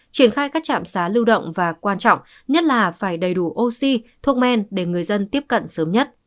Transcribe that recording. triển khai các trạm xá lưu động và quan trọng nhất là phải đầy đủ oxy thuốc men để người dân tiếp cận sớm nhất